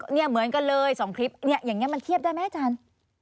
เหมือนกันเลย๒คลิปเนี่ยอย่างนี้มันเทียบได้ไหมอาจารย์